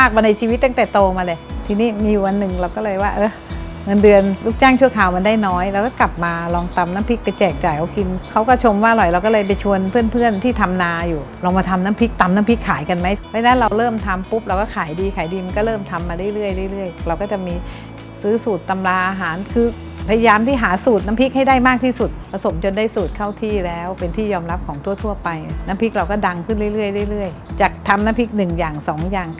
รักมากมาในชีวิตตั้งแต่โตมาเลยทีนี้มีวันหนึ่งเราก็เลยว่าเงินเดือนลูกจ้างชั่วคราวมันได้น้อยเราก็กลับมาลองตำน้ำพริกไปแจกจ่ายเขากินเขาก็ชมว่าอร่อยเราก็เลยไปชวนเพื่อนที่ทำนาอยู่เรามาทำน้ำพริกตำน้ำพริกขายกันไหมเวลาเราเริ่มทำปุ๊บเราก็ขายดีมันก็เริ่มทำมาเรื่อยเราก็จะมีซื้อสูตรตำราอาหารคือพยาย